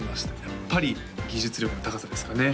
やっぱり技術力の高さですかね？